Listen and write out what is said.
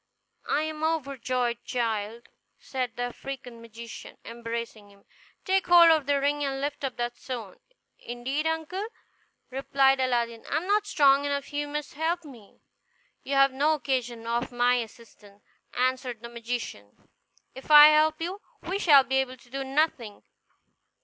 "I am overjoyed, child," said the African magician, embracing him. "Take hold of the ring, and lift up that stone." "Indeed, uncle," replied Aladdin, "I am not strong enough; you must help me." "You have no occasion for my assistance," answered the magician; "if I help you, we shall be able to do nothing.